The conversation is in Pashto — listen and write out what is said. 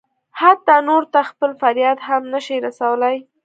حتی نورو ته خپل فریاد هم نه شي رسولی.